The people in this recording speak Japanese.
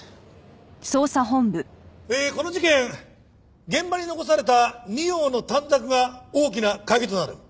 この事件現場に残された２葉の短冊が大きな鍵となる。